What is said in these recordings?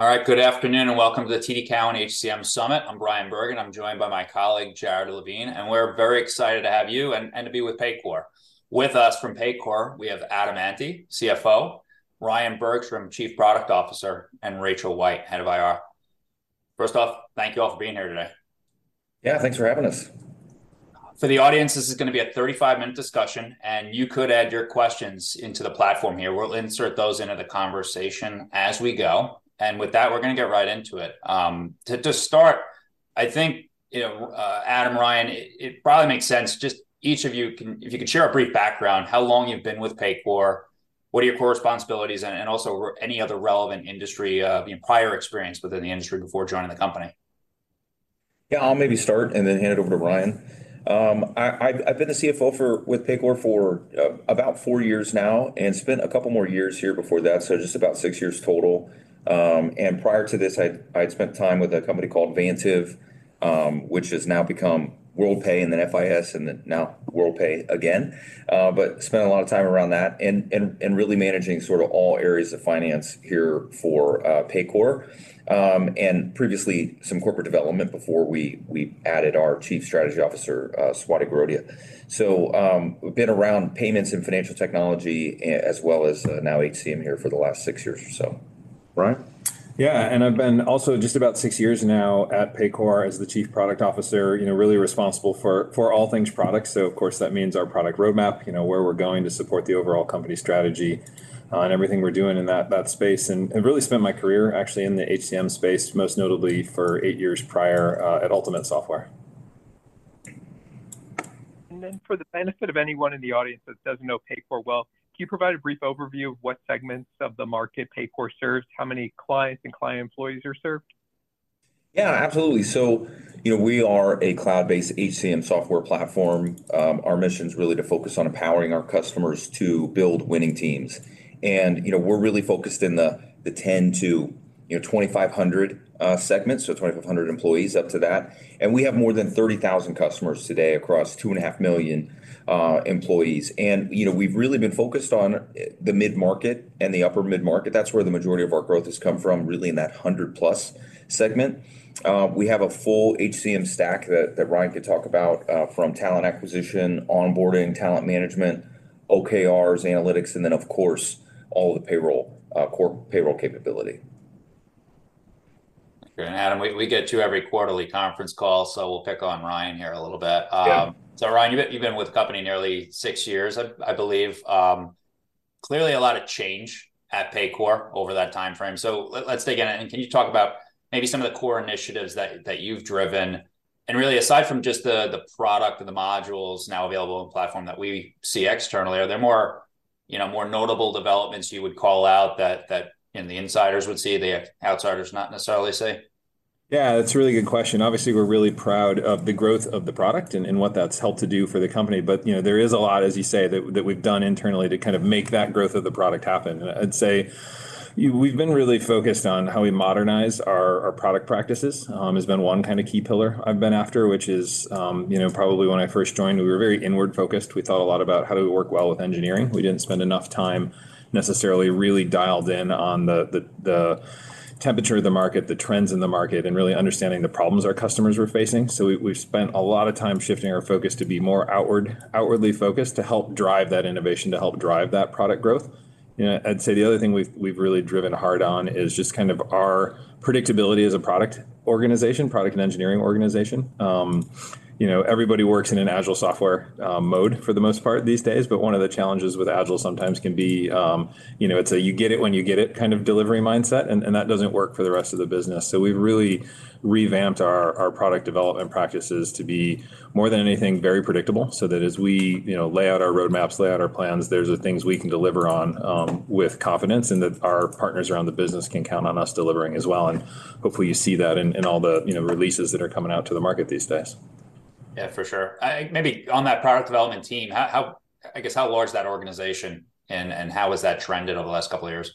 All right, good afternoon, and welcome to the TD Cowen HCM Summit. I'm Bryan Bergin. I'm joined by my colleague, Jared Levine, and we're very excited to have you and to be with Paycor. With us from Paycor, we have Adam Ante, CFO, Ryan Bergstrom, Chief Product Officer, and Rachel White, Head of IR. First off, thank you all for being here today. Yeah, thanks for having us. For the audience, this is gonna be a 35-minute discussion, and you could add your questions into the platform here. We'll insert those into the conversation as we go, and with that, we're gonna get right into it. To start, I think, you know, Adam, Ryan, it probably makes sense, just each of you, if you could share a brief background, how long you've been with Paycor, what are your core responsibilities? And also any other relevant industry, you know, prior experience within the industry before joining the company. Yeah, I'll maybe start and then hand it over to Ryan. I've been the CFO with Paycor for about four years now, and spent a couple more years here before that, so just about six years total. And prior to this, I'd spent time with a company called Vantiv, which has now become Worldpay, and then FIS, and then now Worldpay again. But spent a lot of time around that, and really managing sort of all areas of finance here for Paycor. And previously, some corporate development before we added our Chief Strategy Officer, Swati Garodia. So, we've been around payments and financial technology as well as now HCM here for the last six years or so. Ryan? Yeah, and I've been also just about six years now at Paycor as the Chief Product Officer. You know, really responsible for all things product, so of course, that means our product roadmap, you know, where we're going to support the overall company strategy, and everything we're doing in that space. I've really spent my career actually in the HCM space, most notably for eight years prior, at Ultimate Software. And then for the benefit of anyone in the audience that doesn't know Paycor well, can you provide a brief overview of what segments of the market Paycor serves? How many clients and client employees are served? Yeah, absolutely. So, you know, we are a cloud-based HCM software platform. Our mission's really to focus on empowering our customers to build winning teams. And, you know, we're really focused in the 10-2,500 segment, so 2,500 employees, up to that. And we have more than 30,000 customers today across 2.5 million employees. And, you know, we've really been focused on the mid-market and the upper mid-market. That's where the majority of our growth has come from, really in that 100+ segment. We have a full HCM stack that Ryan could talk about, from Talent Acquisition, onboarding, Talent Management, OKRs, Analytics, and then, of course, all the payroll, core payroll capability. Great. And Adam, we get to you every quarterly conference call, so we'll pick on Ryan here a little bit. Sure. So Ryan, you've been with the company nearly six years, I believe. Clearly a lot of change at Paycor over that timeframe. So let's dig in, and can you talk about maybe some of the core initiatives that you've driven? And really, aside from just the product and the modules now available on the platform that we see externally, are there more, you know, more notable developments you would call out that and the insiders would see, the outsiders not necessarily see? Yeah, that's a really good question. Obviously, we're really proud of the growth of the product and what that's helped to do for the company. But, you know, there is a lot, as you say, that we've done internally to kind of make that growth of the product happen. I'd say we've been really focused on how we modernize our product practices. Has been one kind of key pillar I've been after, which is, you know, probably when I first joined, we were very inward focused. We thought a lot about how do we work well with engineering. We didn't spend enough time necessarily really dialed in on the temperature of the market, the trends in the market, and really understanding the problems our customers were facing. So we've spent a lot of time shifting our focus to be more outwardly focused, to help drive that innovation, to help drive that product growth. You know, I'd say the other thing we've really driven hard on is just kind of our predictability as a product organization, product and engineering organization. You know, everybody works in an Agile software mode for the most part these days, but one of the challenges with Agile sometimes can be, you know, it's a you-get-it-when-you-get-it kind of delivery mindset, and that doesn't work for the rest of the business. So we've really revamped our product development practices to be, more than anything, very predictable, so that as we, you know, lay out our roadmaps, lay out our plans, those are things we can deliver on with confidence, and that our partners around the business can count on us delivering as well. And hopefully, you see that in all the, you know, releases that are coming out to the market these days. Yeah, for sure. Maybe on that product development team, how large is that organization, and how has that trended over the last couple of years?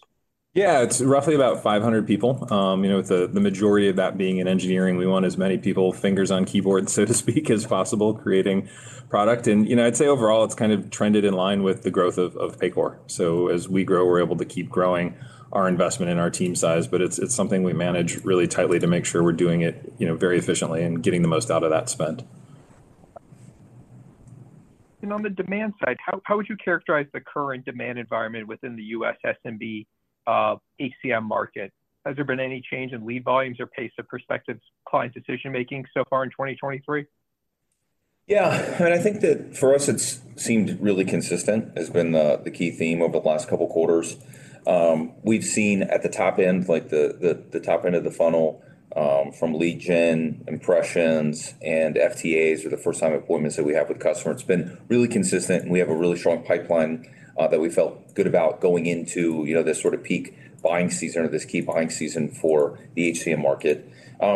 Yeah, it's roughly about 500 people. You know, with the majority of that being in engineering. We want as many people fingers on keyboards, so to speak, as possible, creating product. And, you know, I'd say overall, it's kind of trended in line with the growth of Paycor. So as we grow, we're able to keep growing our investment and our team size, but it's something we manage really tightly to make sure we're doing it, you know, very efficiently and getting the most out of that spend. On the demand side, how would you characterize the current demand environment within the US SMB, HCM market? Has there been any change in lead volumes or pace of prospective client decision-making so far in 2023? Yeah, and I think that for us, it's seemed really consistent, has been the key theme over the last couple quarters. We've seen at the top end, like the top end of the funnel, from lead gen, impressions, and FTAs, or the first-time appointments that we have with customer; it's been really consistent, and we have a really strong pipeline that we felt good about going into, you know, this sort of peak buying season or this key buying season for the HCM market.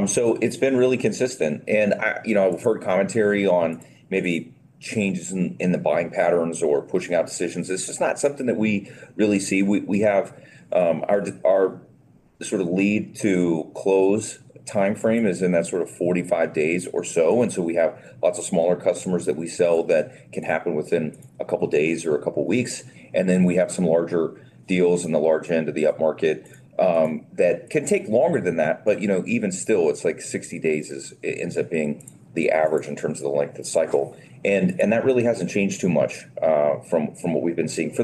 So it's been really consistent, and, you know, I've heard commentary on maybe changes in the buying patterns or pushing out decisions. It's just not something that we really see. We have our sort of lead to close timeframe in that sort of 45 days or so. And so we have lots of smaller customers that we sell that can happen within a couple days or a couple weeks, and then we have some larger deals in the large end of the upmarket, that can take longer than that. But, you know, even still, it's like 60 days it ends up being the average in terms of the length of cycle. And that really hasn't changed too much, from what we've been seeing for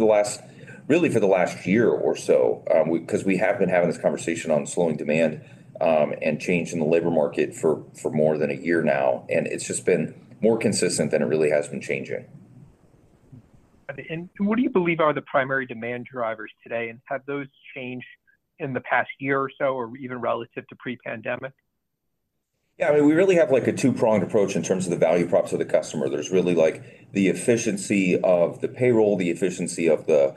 really the last year or so. 'Cause we have been having this conversation on slowing demand, and change in the labor market for more than a year now, and it's just been more consistent than it really has been changing. What do you believe are the primary demand drivers today, and have those changed in the past year or so, or even relative to pre-pandemic? Yeah, I mean, we really have, like, a two-pronged approach in terms of the value props of the customer. There's really, like, the efficiency of the payroll, the efficiency of the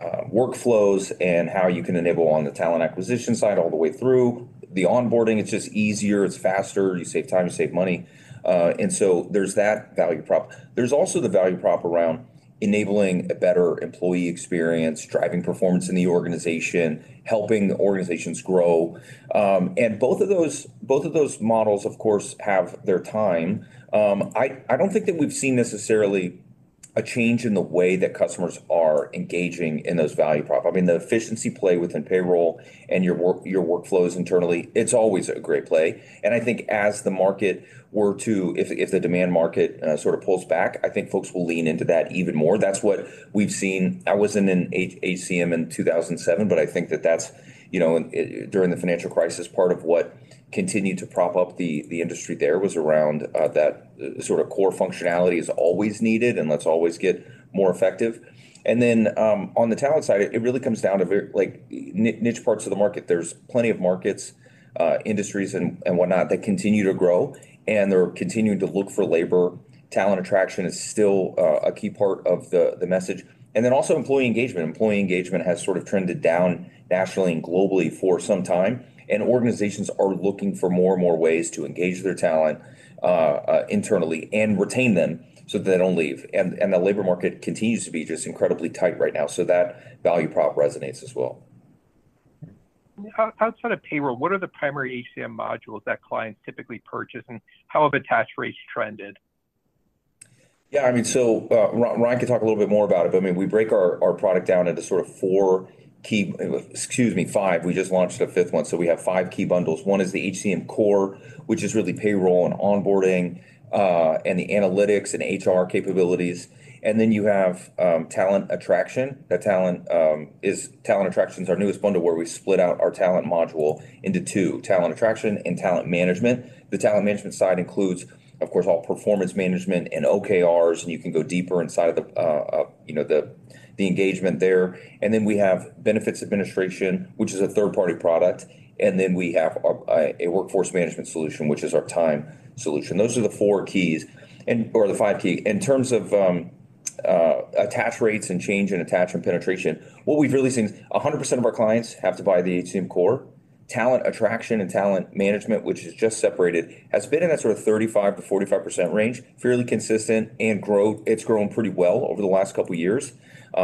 workflows, and how you can enable on the talent acquisition side all the way through. The onboarding, it's just easier, it's faster. You save time, you save money. And so there's that value prop. There's also the value prop around enabling a better employee experience, driving performance in the organization, helping the organizations grow. And both of those, both of those models, of course, have their time. I don't think that we've seen necessarily a change in the way that customers are engaging in those value prop. I mean, the efficiency play within payroll and your workflows internally, it's always a great play. I think as the market were to if, if the demand market sort of pulls back, I think folks will lean into that even more. That's what we've seen. I wasn't in HCM in 2007, but I think that that's, you know, during the financial crisis, part of what continued to prop up the industry there was around that sort of core functionality is always needed, and let's always get more effective. And then on the talent side, it really comes down to like niche parts of the market. There's plenty of markets industries and whatnot that continue to grow, and they're continuing to look for labor. Talent attraction is still a key part of the message. And then also employee engagement. Employee engagement has sort of trended down nationally and globally for some time, and organizations are looking for more and more ways to engage their talent internally and retain them, so they don't leave. The labor market continues to be just incredibly tight right now, so that value prop resonates as well. How outside of payroll, what are the primary HCM modules that clients typically purchase, and how have attach rates trended? Yeah, I mean, so, Ryan can talk a little bit more about it, but, I mean, we break our product down into sort of four key... Excuse me, five. We just launched a fifth one, so we have five key bundles. One is the HCM Core, which is really payroll and onboarding, and the analytics and HR capabilities. And then you have Talent Acquisition. Talent Acquisition is our newest bundle, where we split out our talent module into two, Talent Acquisition and Talent Management. The Talent Management side includes, of course, all performance management and OKRs, and you can go deeper inside of the, you know, the engagement there. And then we have Benefits Administration, which is a third-party product, and then we have a Workforce management solution, which is our time solution. Those are the four keys and or the five key. In terms of attach rates and change in attachment penetration, what we've really seen is 100% of our clients have to buy the HCM Core. Talent Acquisition and Talent Management, which is just separated, has been in that sort of 35%-45% range, fairly consistent and it's grown pretty well over the last couple of years.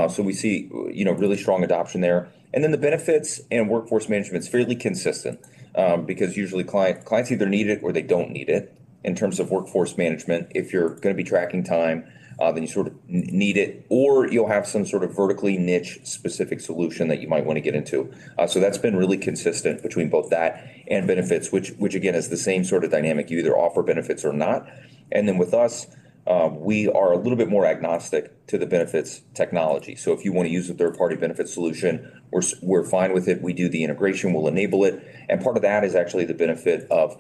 So we see, you know, really strong adoption there. And then the benefits and Workforce Management is fairly consistent, because usually clients either need it or they don't need it. In terms of Workforce Management, if you're gonna be tracking time, then you sort of need it, or you'll have some sort of vertically niche specific solution that you might want to get into. So that's been really consistent between both that and benefits, which, again, is the same sort of dynamic. You either offer benefits or not. And then with us, we are a little bit more agnostic to the benefits technology. So if you want to use a third-party benefit solution, we're fine with it. We do the integration, we'll enable it, and part of that is actually the benefit of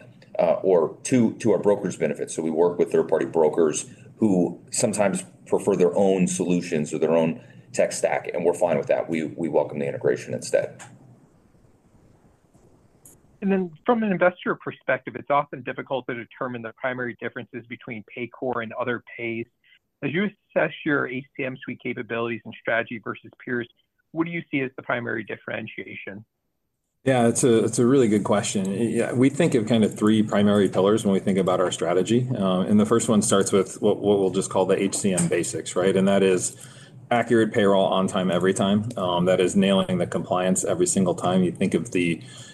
or to our brokers' benefit. So we work with third-party brokers who sometimes prefer their own solutions or their own tech stack, and we're fine with that. We welcome the integration instead. From an investor perspective, it's often difficult to determine the primary differences between Paycor and other peers. As you assess your HCM suite capabilities and strategy versus peers, what do you see as the primary differentiation? Yeah, it's a really good question. Yeah, we think of kind of three primary pillars when we think about our strategy, and the first one starts with what we'll just call the HCM basics, right? And that is accurate payroll on time, every time. That is nailing the compliance every single time. You think of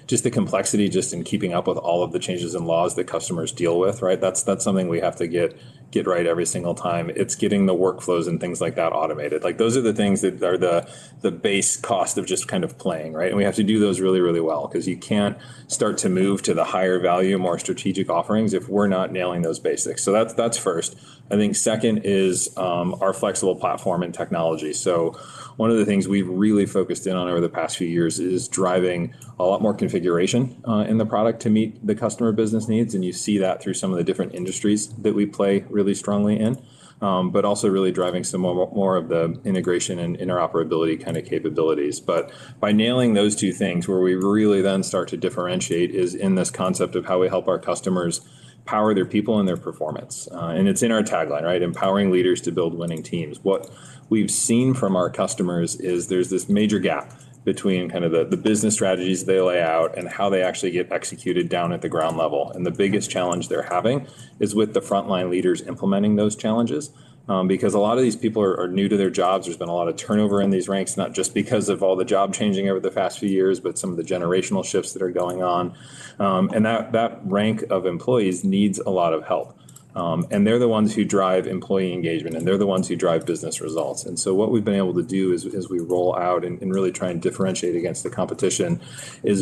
just the complexity in keeping up with all of the changes in laws that customers deal with, right? That's something we have to get right every single time. It's getting the workflows and things like that automated. Like, those are the things that are the base cost of just kind of playing, right? And we have to do those really, really well, 'cause you can't start to move to the higher value, more strategic offerings if we're not nailing those basics. So that's, that's first. I think second is our flexible platform and technology. So one of the things we've really focused in on over the past few years is driving a lot more configuration in the product to meet the customer business needs, and you see that through some of the different industries that we play really strongly in. But also really driving some more of the integration and interoperability kind of capabilities. But by nailing those two things, where we really then start to differentiate is in this concept of how we help our customers power their people and their performance. And it's in our tagline, right? "Empowering leaders to build winning teams." What we've seen from our customers is there's this major gap-... between kind of the business strategies they lay out and how they actually get executed down at the ground level. The biggest challenge they're having is with the frontline leaders implementing those challenges. Because a lot of these people are new to their jobs. There's been a lot of turnover in these ranks, not just because of all the job changing over the past few years, but some of the generational shifts that are going on. And that rank of employees needs a lot of help. And they're the ones who drive employee engagement, and they're the ones who drive business results. So what we've been able to do is, as we roll out and really try and differentiate against the competition,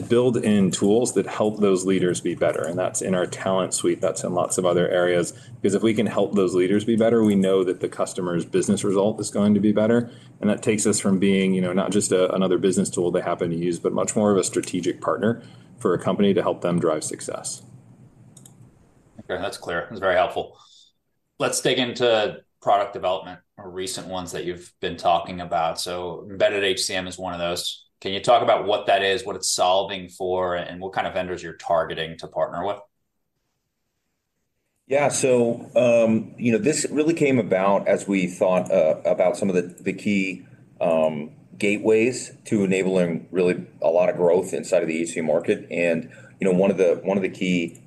build in tools that help those leaders be better. And that's in our talent suite, that's in lots of other areas. Because if we can help those leaders be better, we know that the customer's business result is going to be better, and that takes us from being, you know, not just a, another business tool they happen to use, but much more of a strategic partner for a company to help them drive success. Okay, that's clear. That's very helpful. Let's dig into product development or recent ones that you've been talking about. So Embedded HCM is one of those. Can you talk about what that is, what it's solving for, and what kind of vendors you're targeting to partner with? Yeah. So, you know, this really came about as we thought about some of the key gateways to enabling really a lot of growth inside of the HCM market. And, you know, one of the key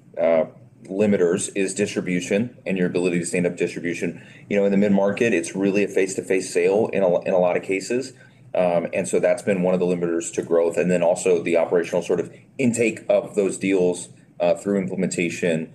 limiters is distribution and your ability to stand up distribution. You know, in the mid-market, it's really a face-to-face sale in a lot of cases. And so that's been one of the limiters to growth, and then also the operational sort of intake of those deals through implementation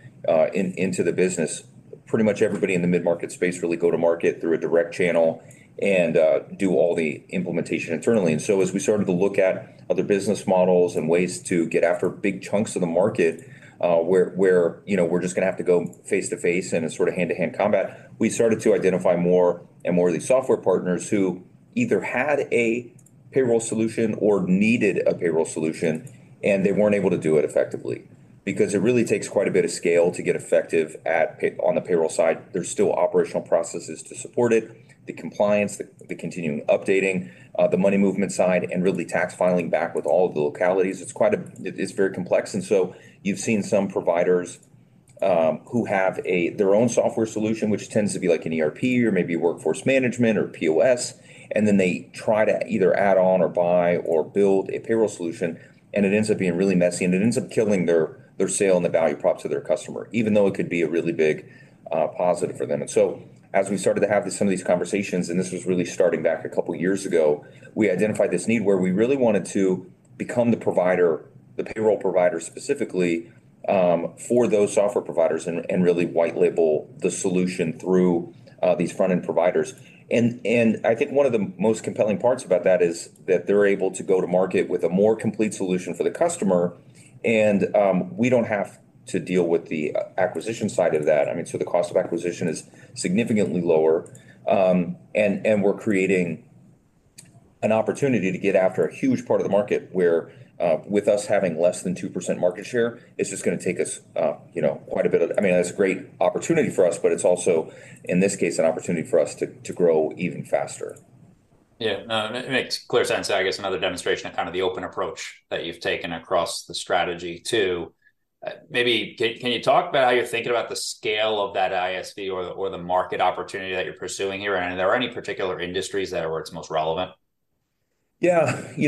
into the business. Pretty much everybody in the mid-market space really go to market through a direct channel and do all the implementation internally. And so as we started to look at other business models and ways to get after big chunks of the market, where, you know, we're just gonna have to go face to face and in sort of hand-to-hand combat, we started to identify more and more of these software partners who either had a payroll solution or needed a payroll solution, and they weren't able to do it effectively. Because it really takes quite a bit of scale to get effective at payroll on the payroll side. There's still operational processes to support it, the compliance, the continuing updating, the money movement side, and really tax filing back with all of the localities. It's very complex, and so you've seen some providers who have their own software solution, which tends to be like an ERP or maybe a workforce management or POS, and then they try to either add on or buy or build a payroll solution, and it ends up being really messy, and it ends up killing their, their sale and the value prop to their customer, even though it could be a really big positive for them. And so, as we started to have some of these conversations, and this was really starting back a couple of years ago, we identified this need where we really wanted to become the provider, the payroll provider specifically, for those software providers and really white-label the solution through these front-end providers. I think one of the most compelling parts about that is that they're able to go to market with a more complete solution for the customer, and we don't have to deal with the acquisition side of that. I mean, so the cost of acquisition is significantly lower, and we're creating an opportunity to get after a huge part of the market where, with us having less than 2% market share, it's just gonna take us, you know, I mean, that's a great opportunity for us, but it's also, in this case, an opportunity for us to grow even faster. Yeah, no, it makes clear sense. I guess another demonstration of kind of the open approach that you've taken across the strategy too. Maybe can you talk about how you're thinking about the scale of that ISV or the market opportunity that you're pursuing here? And are there any particular industries that are where it's most relevant? Yeah. You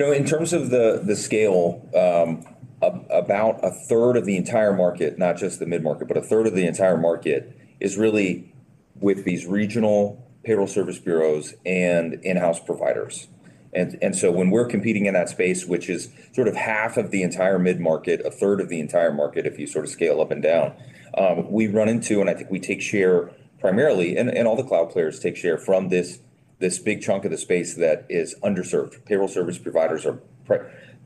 know, in terms of the, the scale, about a third of the entire market, not just the mid-market, but a third of the entire market, is really with these regional payroll service bureaus and in-house providers. And, and so when we're competing in that space, which is sort of half of the entire mid-market, a third of the entire market, if you sort of scale up and down, we run into, and I think we take share primarily, and, and all the cloud players take share from this, this big chunk of the space that is underserved. Payroll service providers,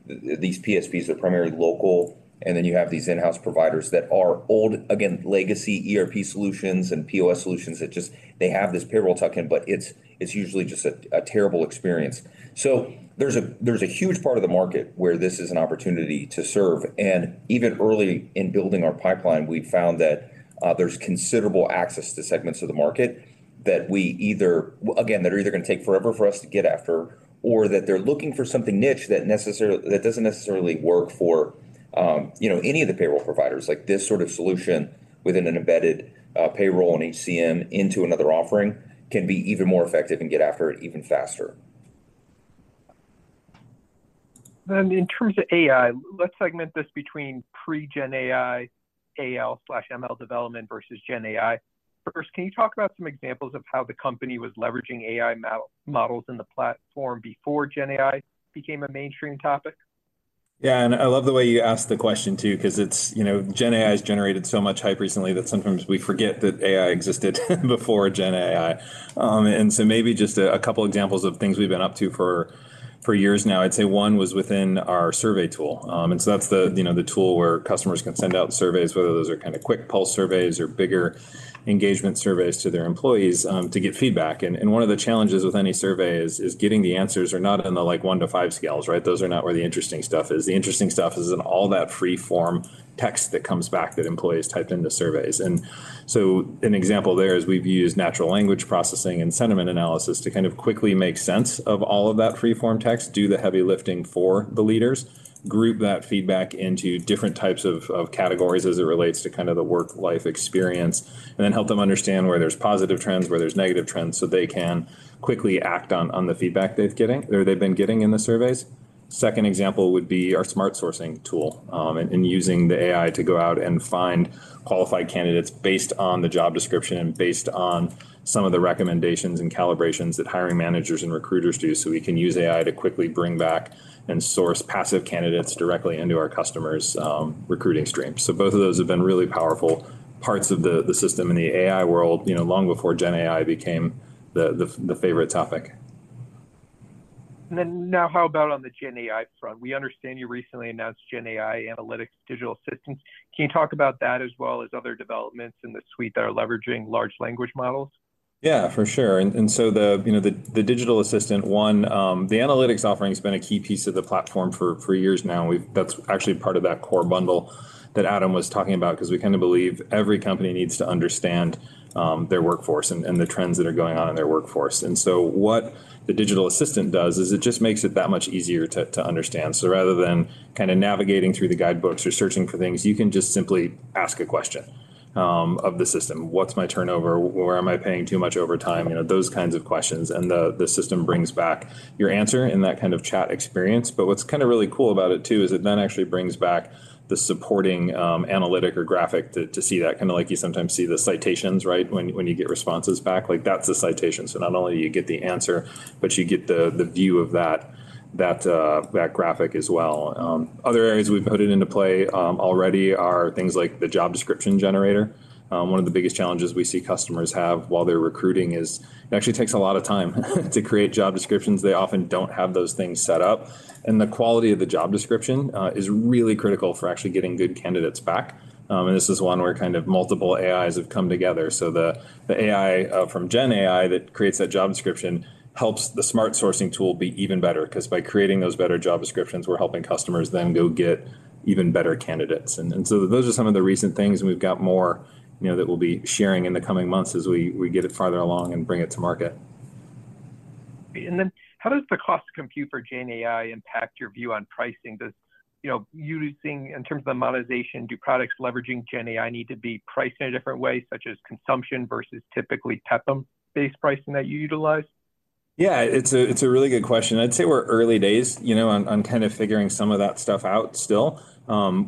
these PSPs, are primarily local, and then you have these in-house providers that are old, again, legacy ERP solutions and POS solutions that they have this payroll tuck in, but it's, it's usually just a, a terrible experience. So there's a huge part of the market where this is an opportunity to serve, and even early in building our pipeline, we've found that there's considerable access to segments of the market that we either... Again, that are either going to take forever for us to get after, or that they're looking for something niche that necessarily- that doesn't necessarily work for, you know, any of the payroll providers. Like, this sort of solution within an embedded payroll and HCM into another offering can be even more effective and get after it even faster. Then in terms of AI, let's segment this between pre-GenAI AL/ML development versus gen AI. First, can you talk about some examples of how the company was leveraging AI models in the platform before gen AI became a mainstream topic? Yeah, and I love the way you asked the question, too, 'cause it's, you know, gen AI has generated so much hype recently that sometimes we forget that AI existed before GenAI. And so maybe just a couple examples of things we've been up to for years now. I'd say one was within our survey tool. And so that's the, you know, the tool where customers can send out surveys, whether those are kind of quick pulse surveys or bigger engagement surveys to their employees, to get feedback. And one of the challenges with any survey is getting the answers are not in the, like, 1-5 scales, right? Those are not where the interesting stuff is. The interesting stuff is in all that free-form text that comes back that employees typed into surveys. And so an example there is we've used natural language processing and sentiment analysis to kind of quickly make sense of all of that free-form text, do the heavy lifting for the leaders, group that feedback into different types of categories as it relates to kind of the work-life experience, and then help them understand where there's positive trends, where there's negative trends, so they can quickly act on the feedback they've getting- or they've been getting in the surveys. Second example would be our Smart Sourcing tool, and using the AI to go out and find qualified candidates based on the job description and based on some of the recommendations and calibrations that hiring managers and recruiters do. So we can use AI to quickly bring back and source passive candidates directly into our customers' recruiting stream. So both of those have been really powerful parts of the system in the AI world, you know, long before GenAI became the favorite topic. And then now how about on the GenAI front? We understand you recently announced GenAI analytics digital assistant. Can you talk about that as well as other developments in the suite that are leveraging large language models? Yeah, for sure. And so the, you know, the Digital Assistant one, the analytics offering has been a key piece of the platform for years now. We've-- That's actually part of that core bundle that Adam was talking about 'cause we kind of believe every company needs to understand their workforce and the trends that are going on in their workforce. And so what the digital assistant does is it just makes it that much easier to understand. So rather than kind of navigating through the guidebooks or searching for things, you can just simply ask a question of the system. "What's my turnover? Where am I paying too much overtime?" You know, those kinds of questions, and the system brings back your answer in that kind of chat experience. But what's kind of really cool about it, too, is it then actually brings back the supporting analytics or graphic to see that. Kind of like you sometimes see the citations, right? When you get responses back, like, that's the citation. So not only do you get the answer, but you get the view of that graphic as well. Other areas we've put it into play already are things like the Job Description Generator. One of the biggest challenges we see customers have while they're recruiting is it actually takes a lot of time to create job descriptions. They often don't have those things set up, and the quality of the job description is really critical for actually getting good candidates back. And this is one where kind of multiple AIs have come together. So the AI from GenAI that creates that job description helps the Smart Sourcing tool be even better. 'Cause by creating those better job descriptions, we're helping customers then go get even better candidates. And so those are some of the recent things, and we've got more, you know, that we'll be sharing in the coming months as we get it farther along and bring it to market. How does the cost to compute for GenAI impact your view on pricing? You know, using, in terms of monetization, do products leveraging GenAI need to be priced in a different way, such as consumption versus typically PEPM-based pricing that you utilize? Yeah, it's a really good question. I'd say we're early days, you know, on kind of figuring some of that stuff out still.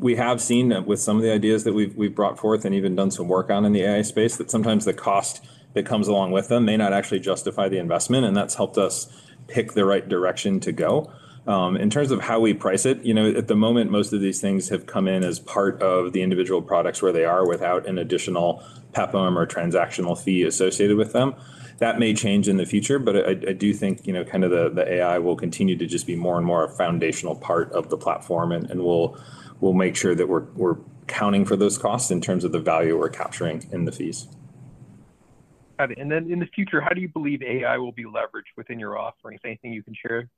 We have seen that with some of the ideas that we've brought forth and even done some work on in the AI space, that sometimes the cost that comes along with them may not actually justify the investment, and that's helped us pick the right direction to go. In terms of how we price it, you know, at the moment, most of these things have come in as part of the individual products where they are without an additional PEPM or transactional fee associated with them. That may change in the future, but I do think, you know, kind of the AI will continue to just be more and more a foundational part of the platform. And we'll make sure that we're counting for those costs in terms of the value we're capturing in the fees. Got it. And then in the future, how do you believe AI will be leveraged within your offerings? Anything you can share?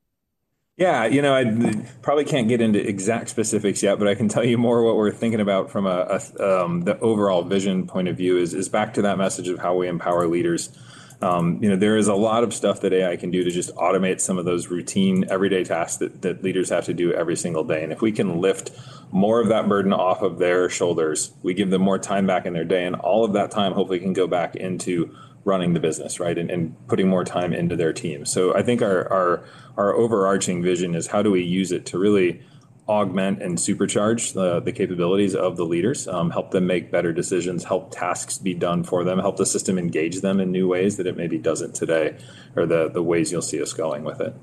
Yeah. You know, I probably can't get into exact specifics yet, but I can tell you more what we're thinking about from a the overall vision point of view is back to that message of how we empower leaders. You know, there is a lot of stuff that AI can do to just automate some of those routine, everyday tasks that leaders have to do every single day. And if we can lift more of that burden off of their shoulders, we give them more time back in their day, and all of that time hopefully can go back into running the business, right? And putting more time into their team. So I think our overarching vision is: how do we use it to really augment and supercharge the capabilities of the leaders, help them make better decisions, help tasks be done for them, help the system engage them in new ways that it maybe doesn't today, are the ways you'll see us going with it.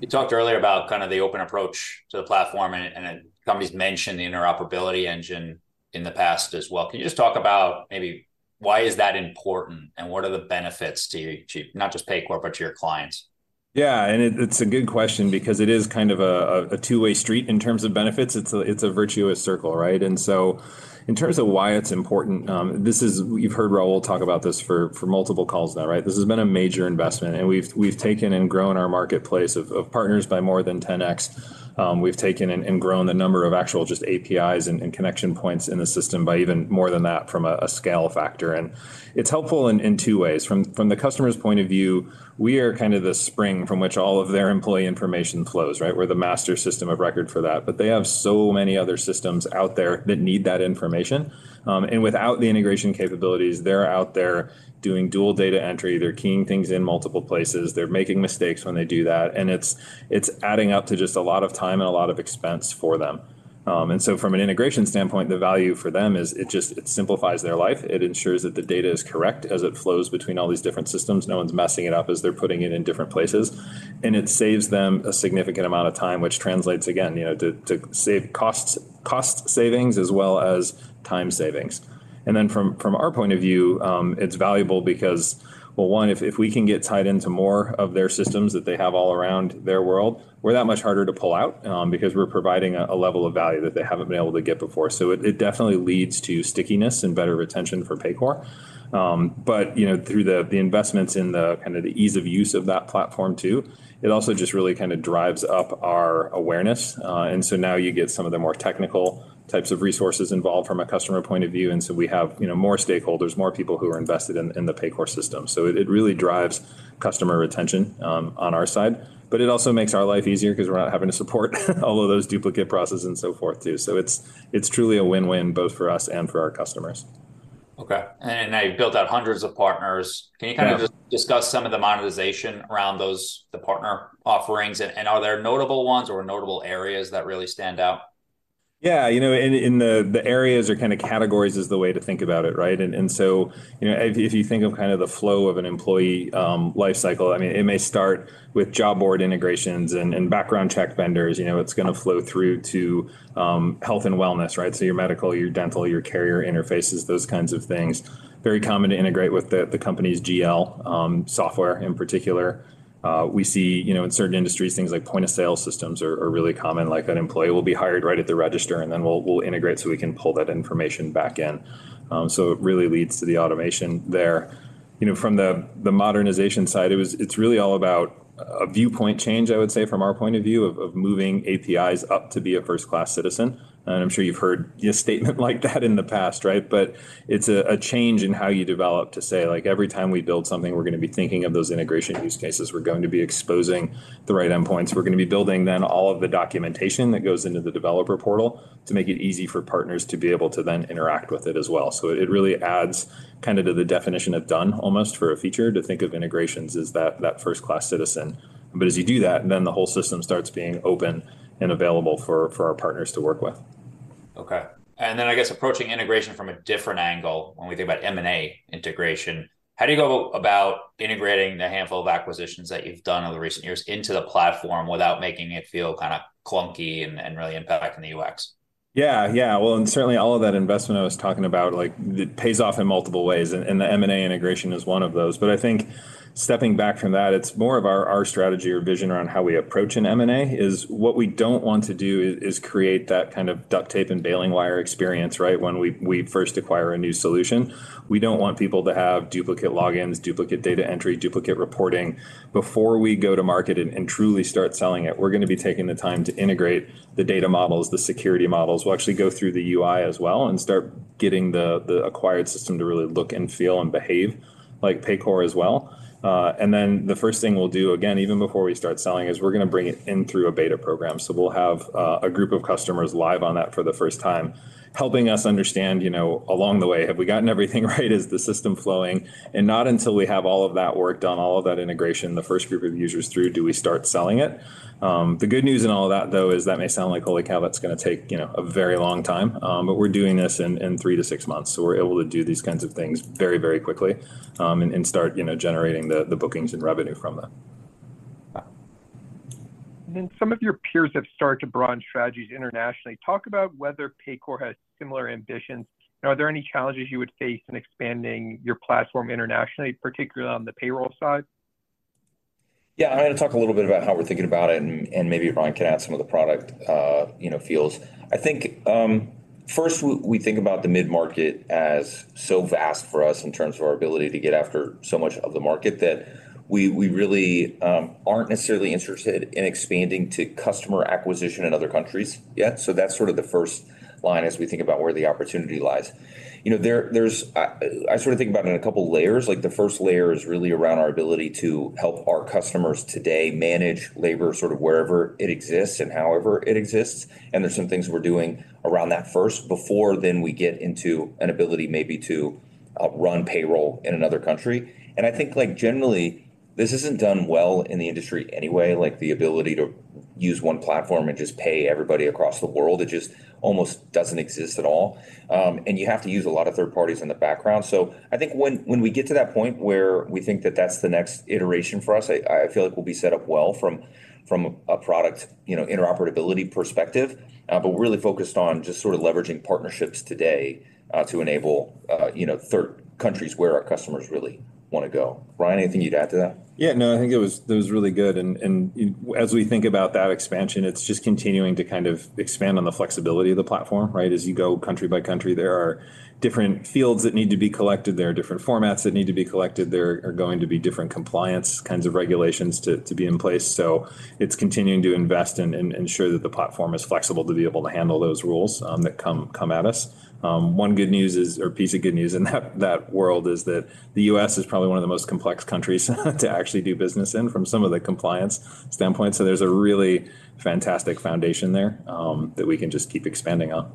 You talked earlier about kind of the open approach to the platform and companies mentioned the interoperability engine in the past as well. Can you just talk about maybe why is that important, and what are the benefits to not just Paycor, but to your clients? Yeah, and it's a good question because it is kind of a two-way street in terms of benefits. It's a virtuous circle, right? And so in terms of why it's important, this is... You've heard Raul talk about this for multiple calls now, right? This has been a major investment, and we've taken and grown our marketplace of partners by more than 10x. We've taken and grown the number of actual just APIs and connection points in the system by even more than that from a scale factor, and it's helpful in two ways. From the customer's point of view, we are kind of the spring from which all of their employee information flows, right? We're the master system of record for that, but they have so many other systems out there that need that information. And without the integration capabilities, they're out there doing dual data entry. They're keying things in multiple places. They're making mistakes when they do that, and it's, it's adding up to just a lot of time and a lot of expense for them. And so from an integration standpoint, the value for them is it just, it simplifies their life. It ensures that the data is correct as it flows between all these different systems. No one's messing it up as they're putting it in different places, and it saves them a significant amount of time, which translates again, you know, to, to save costs, cost savings as well as time savings. And then from our point of view, it's valuable because, well, one, if we can get tied into more of their systems that they have all around their world, we're that much harder to pull out, because we're providing a level of value that they haven't been able to get before. So it definitely leads to stickiness and better retention for Paycor. But, you know, through the investments in the kind of the ease of use of that platform too, it also just really kind of drives up our awareness. And so now you get some of the more technical types of resources involved from a customer point of view, and so we have, you know, more stakeholders, more people who are invested in the Paycor system. So it really drives customer retention on our side, but it also makes our life easier 'cause we're not having to support all of those duplicate processes and so forth too. So it's truly a win-win, both for us and for our customers.... Okay, and now you've built out hundreds of partners. Yeah. Can you kind of just discuss some of the monetization around those, the partner offerings, and, and are there notable ones or notable areas that really stand out? Yeah, you know, in the areas or kind of categories is the way to think about it, right? And so, you know, if you think of kind of the flow of an employee life cycle, I mean, it may start with job board integrations and background check vendors. You know, it's going to flow through to health and wellness, right? So your medical, your dental, your carrier interfaces, those kinds of things. Very common to integrate with the company's GL software in particular. We see, you know, in certain industries, things like point-of-sale systems are really common. Like, an employee will be hired right at the register, and then we'll integrate, so we can pull that information back in. So it really leads to the automation there. You know, from the, the modernization side, it was—it's really all about a viewpoint change, I would say, from our point of view, of, of moving APIs up to be a first-class citizen. And I'm sure you've heard a statement like that in the past, right? But it's a, a change in how you develop to say, like, every time we build something, we're going to be thinking of those integration use cases. We're going to be exposing the right endpoints. We're going to be building then all of the documentation that goes into the developer portal to make it easy for partners to be able to then interact with it as well. So it really adds kind of to the definition of done, almost, for a feature, to think of integrations as that, that first-class citizen. As you do that, then the whole system starts being open and available for our partners to work with. Okay. And then I guess approaching integration from a different angle, when we think about M&A integration, how do you go about integrating the handful of acquisitions that you've done over the recent years into the platform without making it feel kind of clunky and really impacting the UX? Yeah. Yeah. Well, and certainly all of that investment I was talking about, like, it pays off in multiple ways, and, and the M&A integration is one of those. But I think stepping back from that, it's more of our, our strategy or vision around how we approach an M&A is what we don't want to do, is create that kind of duct tape and bailing wire experience, right? When we, we first acquire a new solution. We don't want people to have duplicate logins, duplicate data entry, duplicate reporting. Before we go to market and, and truly start selling it, we're going to be taking the time to integrate the data models, the security models. We'll actually go through the UI as well and start getting the, the acquired system to really look and feel and behave like Paycor as well. And then the first thing we'll do, again, even before we start selling, is we're going to bring it in through a beta program. So we'll have a group of customers live on that for the first time, helping us understand, you know, along the way, have we gotten everything right? Is the system flowing? And not until we have all of that work done, all of that integration, the first group of users through, do we start selling it. The good news in all of that, though, is that may sound like: Holy cow, that's going to take, you know, a very long time. But we're doing this in three to six months, so we're able to do these kinds of things very, very quickly, and start, you know, generating the bookings and revenue from them. Then some of your peers have started to broaden strategies internationally. Talk about whether Paycor has similar ambitions. Are there any challenges you would face in expanding your platform internationally, particularly on the payroll side? Yeah, I'm going to talk a little bit about how we're thinking about it, and maybe Ryan can add some of the product, you know, feels. I think, first, we think about the mid-market as so vast for us in terms of our ability to get after so much of the market that we really aren't necessarily interested in expanding to customer acquisition in other countries yet. So that's sort of the first line as we think about where the opportunity lies. You know, there, there's... I sort of think about it in a couple of layers. Like the first layer is really around our ability to help our customers today manage labor, sort of wherever it exists and however it exists. There's some things we're doing around that first, before then we get into an ability maybe to run payroll in another country. I think, like, generally, this isn't done well in the industry anyway. Like, the ability to use one platform and just pay everybody across the world, it just almost doesn't exist at all. And you have to use a lot of third parties in the background. So I think when we get to that point where we think that that's the next iteration for us, I feel like we'll be set up well from a product, you know, interoperability perspective, but we're really focused on just sort of leveraging partnerships today to enable, you know, third countries where our customers really wanna go. Ryan, anything you'd add to that? Yeah. No, I think it was, that was really good, and, and as we think about that expansion, it's just continuing to kind of expand on the flexibility of the platform, right? As you go country by country, there are different fields that need to be collected, there are different formats that need to be collected, there are going to be different compliance kinds of regulations to be in place. So it's continuing to invest and ensure that the platform is flexible to be able to handle those rules that come at us. One good news is, or piece of good news in that world, is that the U.S. is probably one of the most complex countries to actually do business in from some of the compliance standpoint. So there's a really fantastic foundation there that we can just keep expanding on.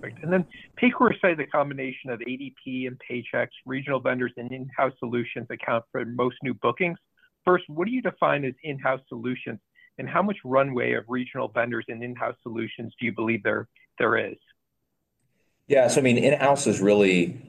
Great. And then Paycor say the combination of ADP and Paychex, regional vendors, and in-house solutions account for most new bookings. First, what do you define as in-house solutions, and how much runway of regional vendors and in-house solutions do you believe there is? Yeah, so I mean, in-house is really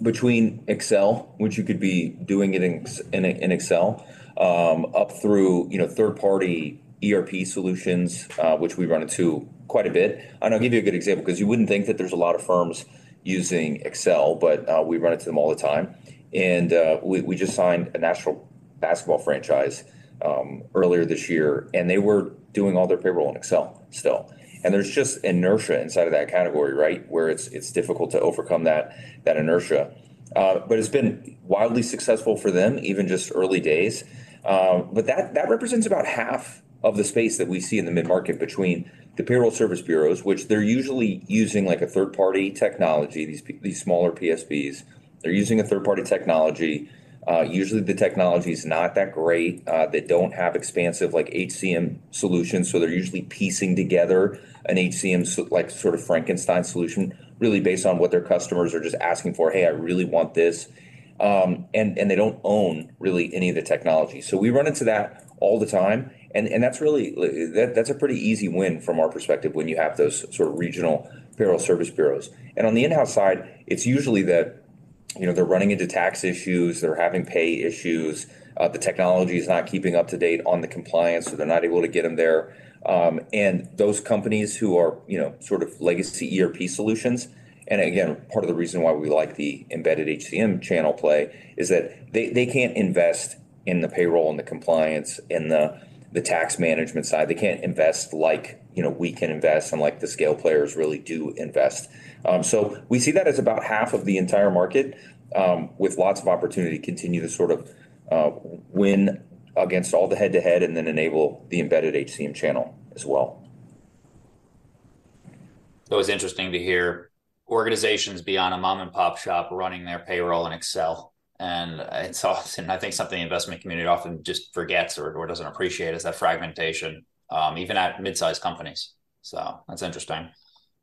between Excel, which you could be doing it in Excel, up through, you know, third-party ERP solutions, which we run into quite a bit. And I'll give you a good example, 'cause you wouldn't think that there's a lot of firms using Excel, but we run into them all the time. And we just signed a National Basketball franchise earlier this year, and they were doing all their payroll in Excel still. And there's just inertia inside of that category, right? Where it's difficult to overcome that inertia, but it's been wildly successful for them, even just early days. But that represents about half of the space that we see in the mid-market between the payroll service bureaus, which they're usually using, like, a third-party technology, these smaller PSBs. They're using a third-party technology. Usually the technology's not that great. They don't have expansive, like, HCM solutions, so they're usually piecing together an HCM like, sort of Frankenstein solution, really based on what their customers are just asking for: "Hey, I really want this." And they don't own, really, any of the technology. So we run into that all the time, and that's really... that's a pretty easy win from our perspective, when you have those sort of regional payroll service bureaus. And on the in-house side, it's usually that, you know, they're running into tax issues, they're having pay issues. The technology is not keeping up to date on the compliance, so they're not able to get them there. Those companies who are, you know, sort of legacy ERP solutions, and again, part of the reason why we like the embedded HCM channel play, is that they can't invest in the payroll and the compliance and the tax management side. They can't invest like, you know, we can invest and like the scale players really do invest. So we see that as about half of the entire market, with lots of opportunity to continue to sort of win against all the head-to-head, and then enable the embedded HCM channel as well. It was interesting to hear organizations beyond a mom-and-pop shop running their payroll in Excel, and it's often... I think something the investment community often just forgets or, or doesn't appreciate, is that fragmentation, even at mid-sized companies. That's interesting.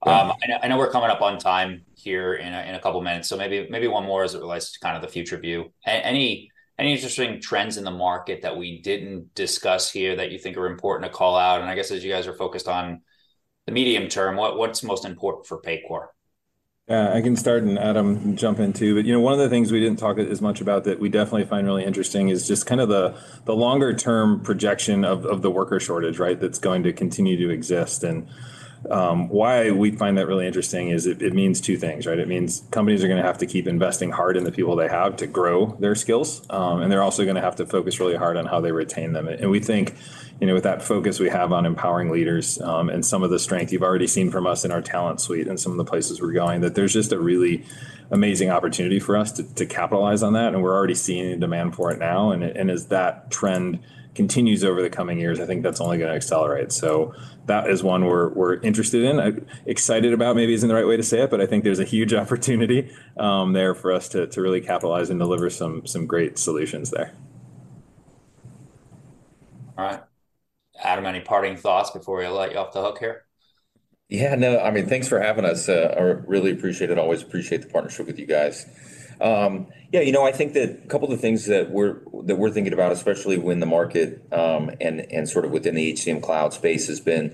Yeah. I know, I know we're coming up on time here in a couple minutes, so maybe, maybe one more as it relates to kind of the future view. Any, any interesting trends in the market that we didn't discuss here that you think are important to call out? And I guess as you guys are focused on the medium term, what's most important for Paycor? Yeah, I can start, and Adam, jump in, too. But, you know, one of the things we didn't talk as much about that we definitely find really interesting is just kind of the longer term projection of the worker shortage, right? That's going to continue to exist. And why we find that really interesting is it means two things, right? It means companies are going to have to keep investing hard in the people they have to grow their skills, and they're also going to have to focus really hard on how they retain them. And we think, you know, with that focus we have on empowering leaders, and some of the strength you've already seen from us in our talent suite and some of the places we're going, that there's just a really amazing opportunity for us to capitalize on that, and we're already seeing demand for it now. And as that trend continues over the coming years, I think that's only going to accelerate. So that is one we're interested in. Excited about maybe isn't the right way to say it, but I think there's a huge opportunity there for us to really capitalize and deliver some great solutions there. All right. Adam, any parting thoughts before we let you off the hook here? Yeah, no, I mean, thanks for having us. I really appreciate it, always appreciate the partnership with you guys. Yeah, you know, I think that a couple of the things that we're thinking about, especially when the market and sort of within the HCM cloud space, has been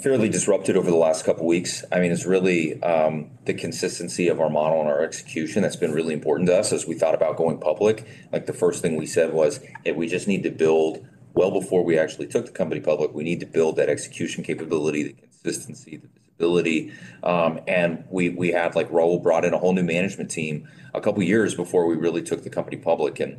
fairly disrupted over the last couple weeks. I mean, it's really the consistency of our model and our execution that's been really important to us as we thought about going public. Like, the first thing we said was that we just need to build... well before we actually took the company public, we need to build that execution capability, the consistency, the visibility. And we have, like, Raul brought in a whole new management team a couple of years before we really took the company public. And,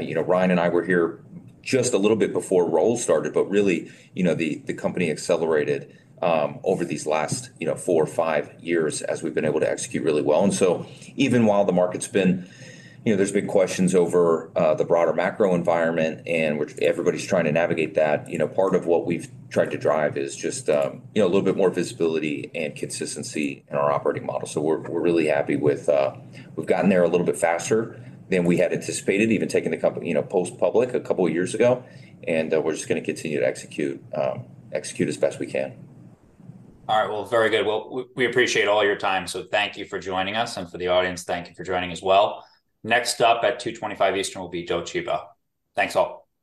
you know, Ryan and I were here just a little bit before Raul started, but really, you know, the company accelerated over these last, you know, four or five years as we've been able to execute really well. And so even while the market's been... You know, there's been questions over the broader macro environment, and which everybody's trying to navigate that. You know, part of what we've tried to drive is just, you know, a little bit more visibility and consistency in our operating model. So we're really happy with... We've gotten there a little bit faster than we had anticipated, even taking the company, you know, post-public a couple of years ago. And, we're just going to continue to execute, execute as best we can. All right. Well, very good. Well, we appreciate all your time, so thank you for joining us. And for the audience, thank you for joining as well. Next up, at 2:25 Eastern, will be Docebo. Thanks, all.